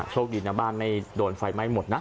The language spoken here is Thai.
โชคดีนะบ้านไม่โดนไฟไหม้หมดนะ